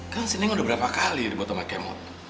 kan si neng udah berapa kali dibuat sama kemot